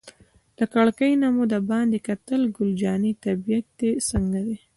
له کړکۍ نه مو دباندې کتل، ګل جانې طبیعت دې څنګه دی؟